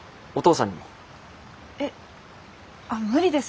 えっあ無理です